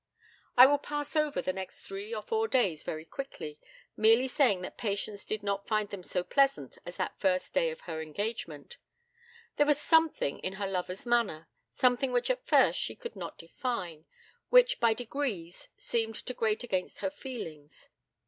I will pass over the next three or four days very quickly, merely saying that Patience did not find them so pleasant as that first day after her engagement. There was something in her lover's manner something which at first she could not define which by degrees seemed to grate against her feelings.